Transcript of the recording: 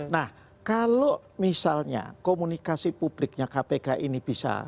nah kalau misalnya komunikasi publiknya kpk ini bisa